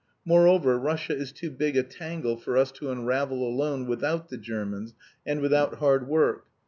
Moreover, Russia is too big a tangle for us to unravel alone without the Germans, and without hard work.